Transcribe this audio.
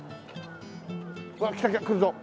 うわっ来た来た来るぞ。